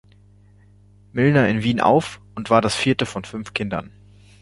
Millner in Wien auf und war das vierte von fünf Kindern.